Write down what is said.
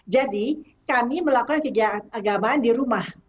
jadi kami melakukan kegiatan keagamaan di rumah